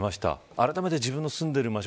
あらためて自分の住んでいる場所